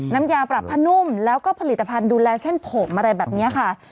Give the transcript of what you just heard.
น้ำยาปรับผ้านุ่มแล้วก็ผลิตภัณฑ์ดูแลเส้นผมอะไรแบบนี้ค่ะ